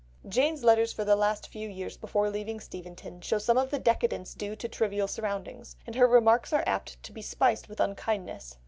Jane's letters for the last few years before leaving Steventon show some of the decadence due to trivial surroundings, and her remarks are apt to be spiced with unkindness.